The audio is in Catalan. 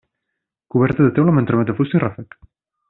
Coberta de teula amb entramat de fusta i ràfec.